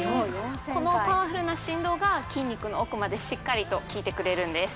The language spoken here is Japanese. このパワフルな振動が筋肉の奥までしっかりと効いてくれるんです